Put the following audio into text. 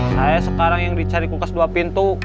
saya sekarang yang dicari kulkas dua pintu